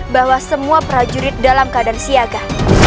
bahwa semua prajurit dalam keadaan siaga